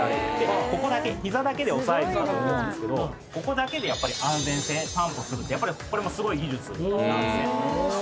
ここだけ膝だけで押さえてたと思うんですけどここだけで安全性担保するってこれもすごい技術なんですね。